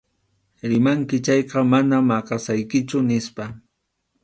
Rimanki chayqa mana maqasaykichu, nispa.